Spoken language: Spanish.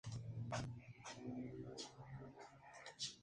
Lupino finalizó el film.